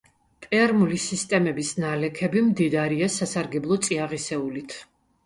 პერმული სისტემის ნალექები მდიდარია სასარგებლო წიაღისეულით.